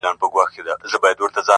په کوټه کي یې وهلې خرچیلکي!.